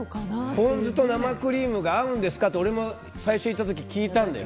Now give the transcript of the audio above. ポン酢と生クリームが合うんですかって俺も最初行ったとき聞いたんだよ。